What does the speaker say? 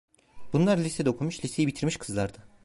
Bunlar lisede okumuş, liseyi bitirmiş kızlardı.